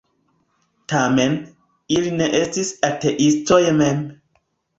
Tamen, ili ne estis ateistoj mem.